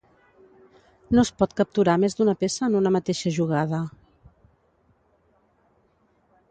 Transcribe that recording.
No es pot capturar més d'una peça en una mateixa jugada.